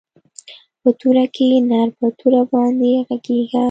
په توره کښې نر په توره باندې ږغېږي.